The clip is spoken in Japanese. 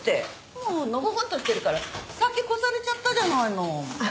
もうのほほんとしてるから先越されちゃったじゃないの。